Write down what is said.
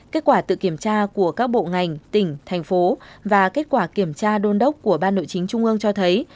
kết quả tự kiểm tra của các bộ ngành tỉnh thành phố và kết quả kiểm tra đôn đốc của ban nội chính trung ương cho thấy